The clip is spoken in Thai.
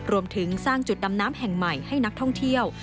รวมถึงสร้างจุดดำน้ำแห่งใหม่ให้นักท่องเที่ยว